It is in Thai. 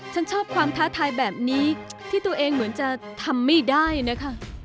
ฉันชอบความท้าทายแบบนี้ที่ตัวเองเหมือนจะทำไม่ได้นะคะ